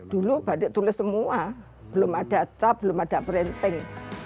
dulu batik tulis semua belum ada cap belum ada printing